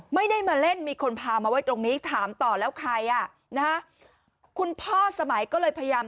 ไม่ได้มาเล่นมีคนพามาไว้ตรงนี้ถามต่อแล้วใครอ่ะนะคุณพ่อสมัยก็เลยพยายาม